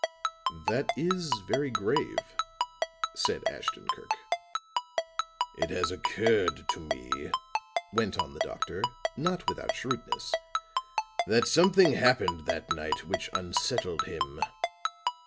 "That is very grave," said Ashton Kirk. "It has occurred to me," went on the doctor, not without shrewdness, "that something happened that night which unsettled him."